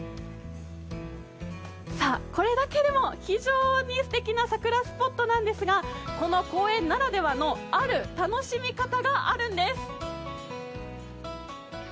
これだけでも非常にすてきな桜スポットなんですがこの公園ならではの、ある楽しみ方があるんです。